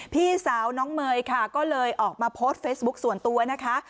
พี่สาวน้องเมย์ค่ะก็เลยออกมาโพสต์เฟซบุ๊คส่วนตัวนะคะ